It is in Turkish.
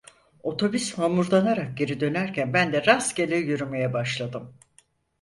Otobüs homurdanarak geri dönerken ben de rastgele yürümeye başladım.